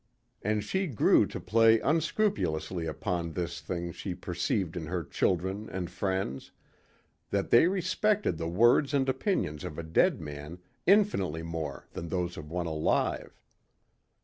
And she grew to play unscrupulously upon this thing she perceived in her children and friends that they respected the words and opinions of a dead man infinitely more than those of one alive.